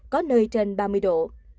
có nơi trên ba mươi độ